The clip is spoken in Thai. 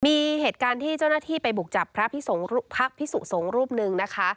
มีเหตุการณ์ที่เจ้าหน้าที่ไปบุกจับพระพิสุสงฆ์รูปหนึ่งนะคะ